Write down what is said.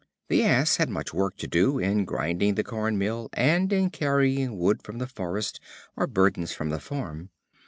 The Ass had much work to do, in grinding the corn mill, and in carrying wood from the forest or burdens from the farm.